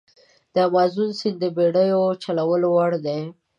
د امازون سیند د بېړیو چلولو وړ دی.